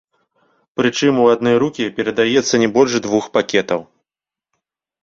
Прычым у адны рукі прадаецца не больш двух пакетаў.